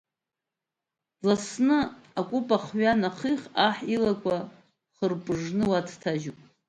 Дласны акәыпа ахҩа анаахих, аҳ илақәа хырпыжы уа дҭажьуп.